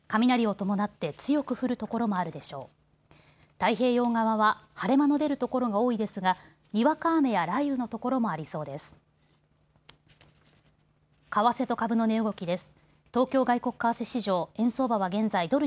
太平洋側は晴れ間の出る所が多いですがにわか雨や雷雨の所もありそうです。